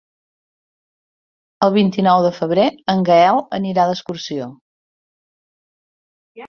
El vint-i-nou de febrer en Gaël anirà d'excursió.